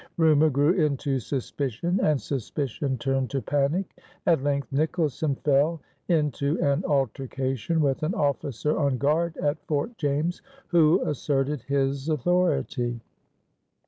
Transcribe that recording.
Rumor grew into suspicion, and suspicion turned to panic. At length Nicholson fell into an altercation with an officer on guard at Fort James who asserted his authority.